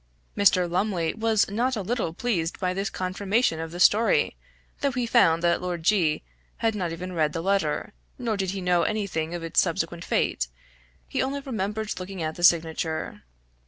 Mr. Lumley was not a little pleased by this confirmation of the story, though he found that Lord G had not even read the letter, nor did he know any thing of its subsequent fate; he only remembered looking at the signature.